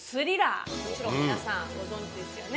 もちろん皆さんご存じですよね？